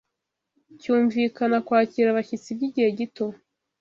Cyunvikana kwakira abashyitsi byigihe gito